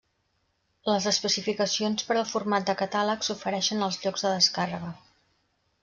Les especificacions per al format de catàleg s'ofereixen als llocs de descàrrega.